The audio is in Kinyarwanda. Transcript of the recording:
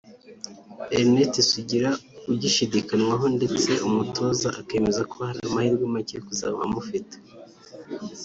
Ernest Sugira ugishidikanywaho ndetse umutoza akemeza ko hari amahirwe make yo kuzaba amufite